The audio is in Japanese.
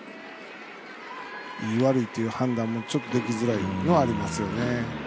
いい、悪いという判断もちょっと、できづらいのはありますよね。